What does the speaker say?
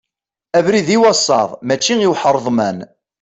Abrid i wasaḍ mačči i uḥreḍman.